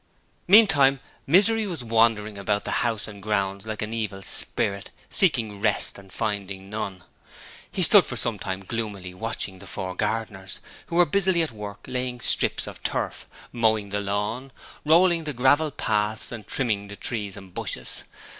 Meantime, Misery was wandering about the house and gounds like an evil spirit seeking rest and finding none. He stood for some time gloomily watching the four gardeners, who were busily at work laying strips of turf, mowing the lawn, rolling the gravel paths and trimming the trees and bushes.